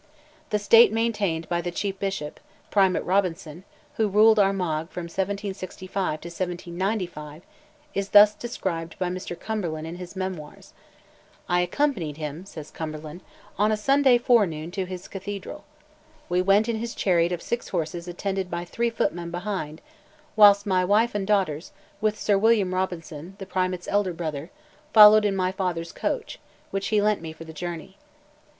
The state maintained by the chief bishop—Primate Robinson, who ruled Armagh from 1765 to 1795—is thus described by Mr. Cumberland in his Memoirs. "I accompanied him," says Cumberland, "on Sunday forenoon to his cathedral. We went in his chariot of six horses attended by three footmen behind, whilst my wife and daughters, with Sir William Robinson, the primate's elder brother, followed in my father's coach, which he lent me for the journey.